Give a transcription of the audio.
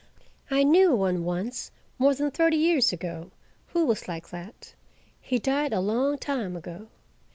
I knew one once, more than thirty years ago, who was like that: he died a long time ago.